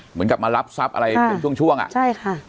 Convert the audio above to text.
เหมือนกับมารับทรัพย์อะไรเป็นช่วงช่วงอ่ะใช่ค่ะ